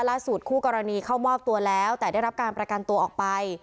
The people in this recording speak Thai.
คู่กรณีเข้ามอบตัวแล้วแต่ได้รับการประกันตัวออกไป